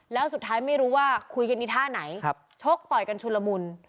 แล้วสุดท้ายไม่รู้ว่าคุยกันในท่าไหนชกต่อยกันชุนละมุน